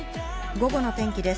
午後の天気です。